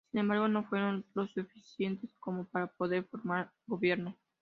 Sin embargo, no fueron los suficientes como para poder formar gobierno.